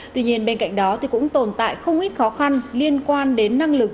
tuy nhiên bên cạnh đó cũng tồn tại không ít khó khăn liên quan đến năng lực